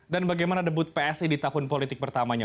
dan bagaimana debut psi di tahun politik pertamanya